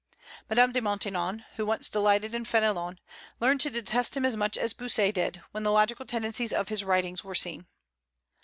Madame de Maintenon, who once delighted in Fénelon, learned to detest him as much as Bossuet did, when the logical tendency of his writings was seen.